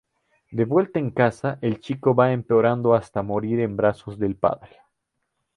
De vuelta en casa, el chico va empeorando hasta morir en brazos del padre.